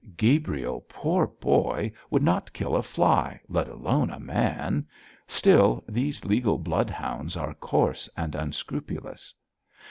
'Gabriel, poor boy, would not kill a fly, let alone a man. Still, these legal bloodhounds are coarse and unscrupulous.'